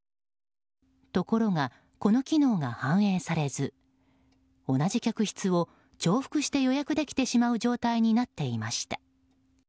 ところが、この機能が反映されず同じ客室を重複して予約できてしまう状態になっていました。